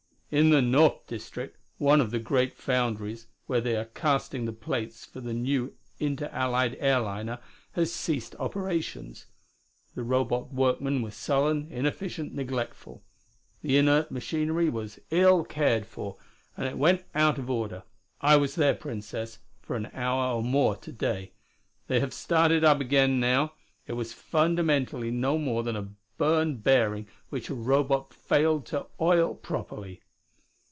"In the north district one of the great foundries where they are casting the plates for the new Inter Allied airliner has ceased operations. The Robot workmen were sullen, inefficient, neglectful. The inert machinery was ill cared for, and it went out of order. I was there, Princess, for an hour or more to day. They have started up again now; it was fundamentally no more than a burned bearing which a Robot failed to oil properly."